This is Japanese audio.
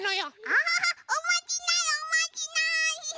アハハおまじないおまじない。